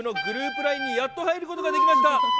ＬＩＮＥにやっと入ることができました。